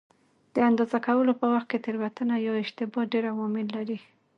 د اندازه کولو په وخت کې تېروتنه یا اشتباه ډېر عوامل لري.